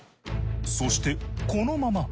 そしてこのまま。